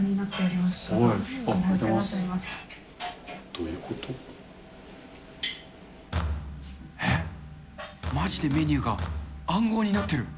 まじでメニューが暗号になってる。